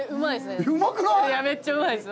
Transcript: めっちゃうまいっす。